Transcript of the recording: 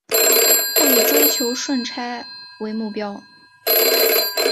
不以追求顺差为目标